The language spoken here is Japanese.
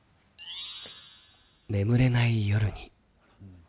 「眠れない夜に」。